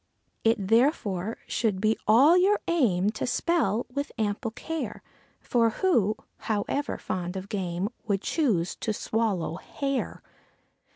It therefore should be all your aim to spell with ample care; For who, however fond of game, would choose to swallow hair?